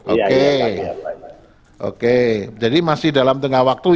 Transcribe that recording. oke oke jadi masih dalam tengah waktu ya